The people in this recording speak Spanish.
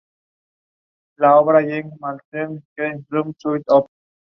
Habita en la India y en Indonesia.